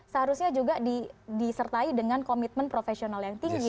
seharusnya juga disertai dengan komitmen profesional yang tinggi